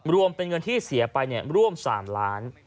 รวมเป็นเงินที่เสียไปร่วม๓ล้าน